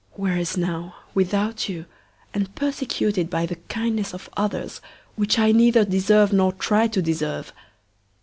Whereas now!! without you!! and persecuted by the kindness of others, which I neither deserve nor try to deserve!